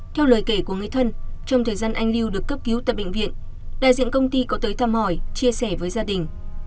theo lời kể của người thân trong thời gian anh lưu được cấp cứu tại bệnh viện đại diện công ty có tới thăm hỏi chia sẻ với gia đình